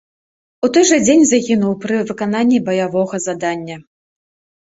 У той жа дзень загінуў пры выкананні баявога задання.